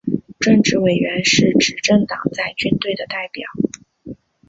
政治委员是执政党在军队的代表。